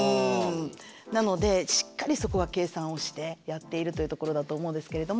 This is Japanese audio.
なのでしっかりそこは計算をしてやっているというところだと思うんですけれども。